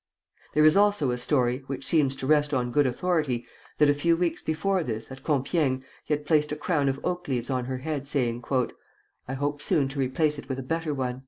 There is also a story, which seems to rest on good authority, that a few weeks before this, at Compiègne, he had placed a crown of oak leaves on her head, saying: "I hope soon to replace it with a better one."